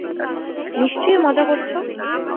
নিশ্চয়ই মজা করছ!